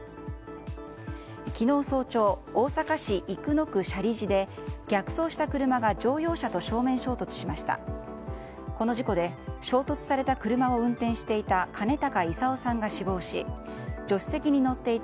昨日早朝大阪市生野区舎利寺で逆走した車が乗用車と正面衝突しました。